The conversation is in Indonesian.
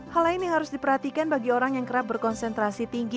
hal lain yang harus diperhatikan bagi orang yang kerap berkonsentrasi tinggi